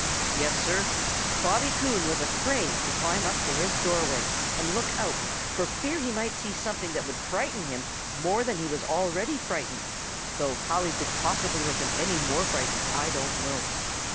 Yes, Sir, Bobby Coon was afraid to climb up to his doorway and look out for fear he might see something that would frighten him more than he was already frightened, though how he could possibly have been any more frightened I don't know.